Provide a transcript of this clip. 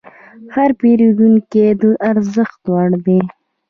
هر پیرودونکی د ارزښت وړ دی.